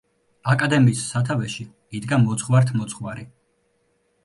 აკადემიის სათავეში იდგა მოძღვართ-მოძღვარი.